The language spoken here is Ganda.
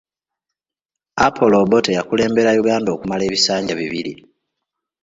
Apollo Obote yakulembera Uganda okumala ebisanja bibiri.